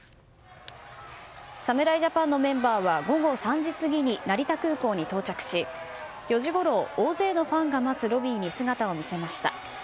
侍ジャパンのメンバーは午後３時過ぎに成田空港に到着し、４時ごろ大勢のファンが待つロビーに姿を見せました。